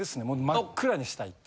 真っ暗にしたい。